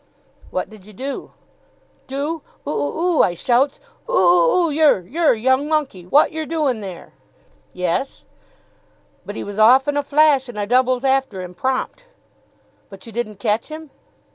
'" "What did you do?" "Do? Oo oo oo! I shouts 'Oo oo oo yer, yer young monkey, what yer doin' there?'" "Yes?" "But 'e was off in a flash, and I doubles after 'im prompt." "But you didn't catch him?"